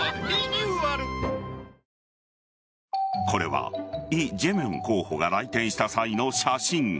これはイ・ジェミョン候補が来店した際の写真。